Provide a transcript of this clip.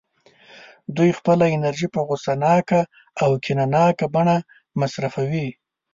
دوی خپله انرژي په غوسه ناکه او کینه ناکه بڼه مصرفوي